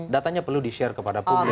datanya perlu di share kepada publik